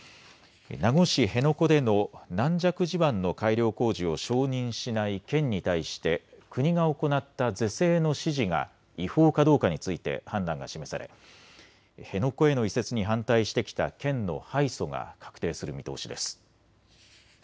名護市辺野古での軟弱地盤の改良工事を承認しない県に対して国が行った是正の指示が違法かどうかについて判断が示され辺野古への移設に反対してきた県の敗訴が確定する見通しです。